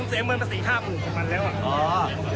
ผู้หญิงครับ